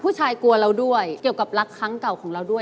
ผู้ชายกลัวเราด้วยเกี่ยวกับรักครั้งเก่าของเราด้วย